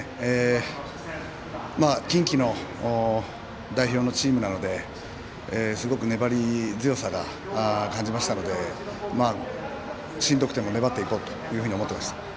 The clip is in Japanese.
近畿の代表のチームなのですごく粘り強さを感じましたのでしんどくても粘っていこうと思っていました。